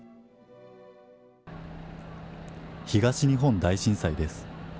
東日本大震災です。